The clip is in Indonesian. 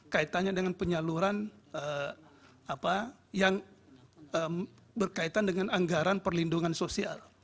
kaitannya dengan penyaluran yang berkaitan dengan anggaran perlindungan sosial